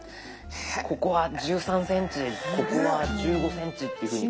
ここは１３ｃｍここは１５ｃｍっていうふうに。